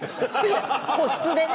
個室でね。